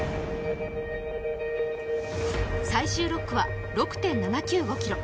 最終６区は６．７９５ｋｍ。